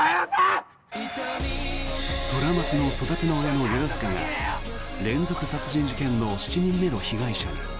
虎松の育ての親の世々塚が連続殺人事件の７人目の被害者に。